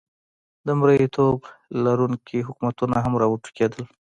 د مریتوب لرونکي حکومتونه هم را وټوکېدل.